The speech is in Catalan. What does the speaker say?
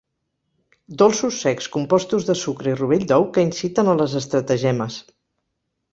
Dolços secs compostos de sucre i rovell d'ou que inciten a les estratagemes.